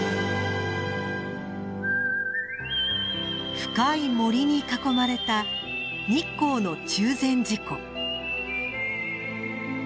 深い森に囲まれた日光の中禅寺湖。